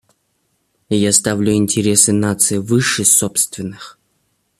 Я ставлю интересы нации выше собственных.